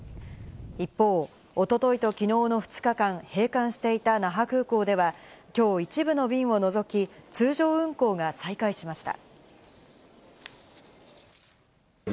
一方、おとといときのうの２日間、閉館していた那覇空港では、きょう一部の便を除き、通常運航が再開しました。